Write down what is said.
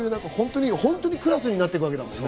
本当にクラスになっていくわけだもんね。